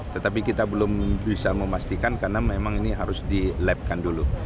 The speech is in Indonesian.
tetapi kita belum bisa memastikan karena memang ini harus di labkan dulu